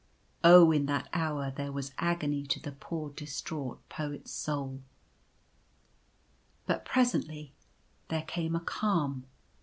Oh, in that hour there was agony to the poor dis traught Poet's soul. But presently there came a calm.